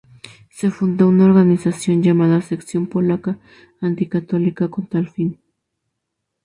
Se fundó una organización llamada Sección Polaca Anticatólica con tal fin.